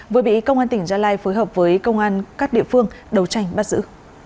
vừa bị công an tỉnh gia lai phối hợp với công an các địa phương đấu tranh bắt giữ